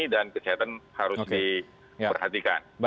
dan kesehatan harus diperhatikan